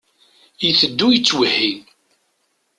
Iteddu yettwehhi.